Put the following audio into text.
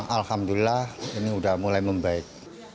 alhamdulillah ini sudah mulai membaik